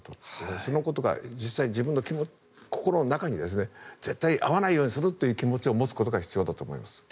そのことが実際に自分の心の中に絶対に遭わないようにするという気持ちを持つことが大事だと思います。